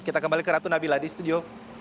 kita kembali ke ratu nabila di studio